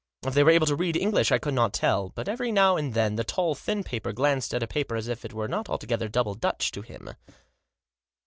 If they were able to read English I could not tell, but every now and then the tall, thin party glanced at a paper as if it was not altogether Double Dutch to him.